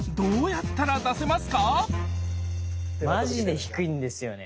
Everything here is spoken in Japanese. マジで低いんですよね。